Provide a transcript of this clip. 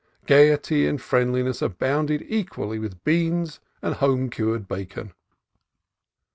Gaiety and friendliness abounded equally with beans and home cured bacon.